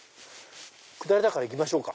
下りだから行きましょうか！